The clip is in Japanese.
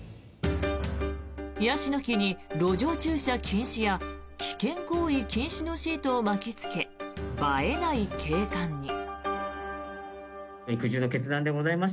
ヤシの木に路上駐車禁止や危険行為禁止のシートを巻きつけ映えない景観に。